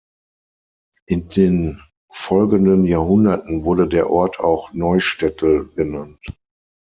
In den folgenden Jahrhunderten wurde der Ort auch "Neustädtel" genannt.